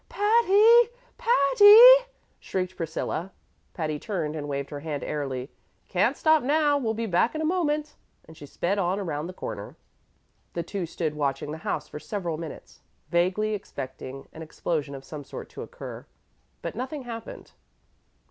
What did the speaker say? "Patty! Patty!" shrieked Priscilla. Patty turned and waved her hand airily. "Can't stop now will be back in a moment"; and she sped on around the corner. The two stood watching the house for several minutes, vaguely expecting an explosion of some sort to occur. But nothing happened.